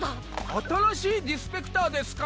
新しいディスペクターですか？